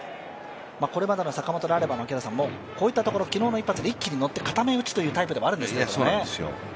これまでの坂本であれば、こういったところ、昨日の一発で一気にのって固め打ちというタイプではあるんですが。